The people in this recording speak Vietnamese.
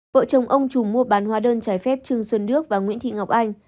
vợ chồng ông trùm mua bán hoa đơn trái phép trương xuân đức và nguyễn thị ngọc anh